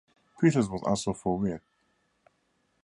Peters was also for Witt.